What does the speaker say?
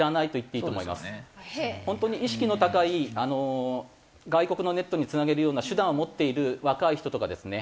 ホントに意識の高い外国のネットに繋げるような手段を持っている若い人とかですね